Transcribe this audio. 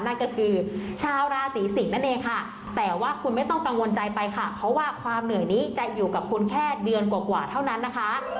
นั่นก็คือชาวราศีสิงศ์นั่นเองค่ะแต่ว่าคุณไม่ต้องกังวลใจไปค่ะเพราะว่าความเหนื่อยนี้จะอยู่กับคุณแค่เดือนกว่าเท่านั้นนะคะ